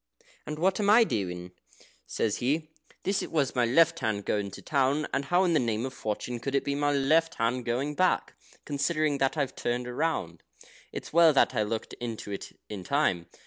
"And what am I doing?" he says. "This was my left hand going to town, and how in the name of fortune could it be my left going back, considering that I've turned round? It's well that I looked into it in time."